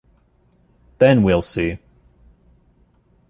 Then we’ll see.